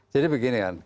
jadi begini kan